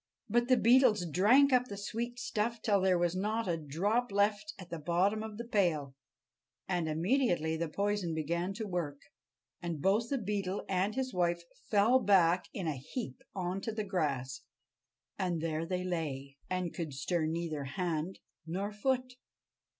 But the Beetles drank up the sweet stuff till there was not a drop left at the bottom of the pail, and immediately the poison began to work, and both the Beetle and his wife fell back in a heap on to the grass, and there they lay, and could stir neither hand nor foot.